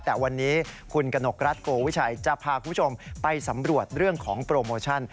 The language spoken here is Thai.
แต่วันนี้คุณกนกรัฐโกวิชัยจะพาคุณผู้ชมไปสำรวจเรื่องของโปรโมชั่น